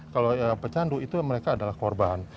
kalau pecandu itu mereka adalah korban